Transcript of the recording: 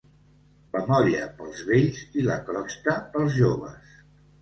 La molla pels vells i la crosta pels joves.